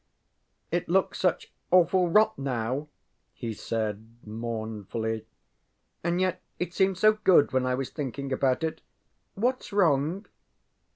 ŌĆ£It looks such awful rot nowŌĆØ he said, mournfully. ŌĆ£And yet it seemed so good when I was thinking about it. WhatŌĆÖs wrong?